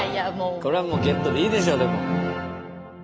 これはもうゲットでいいでしょうでも。